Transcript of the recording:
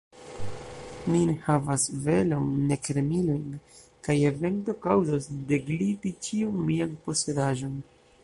Mi ne havas velon, nek remilojn; kaj ekvento kaŭzos degliti ĉiun mian posedaĵon.